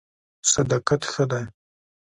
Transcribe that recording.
صداقت ښه دی.